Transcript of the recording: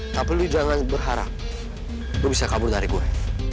tapi lu jangan berharap lo bisa kabur dari gue